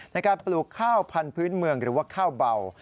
ในการปลูกข้าวพันธุ์เมืองหรือว่าข้าวเบา